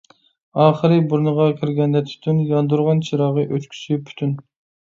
ئاخىرى بۇرنىغا كىرگەندە تۈتۈن، ياندۇرغان چىراغى ئۆچكۈسى پۈتۈن.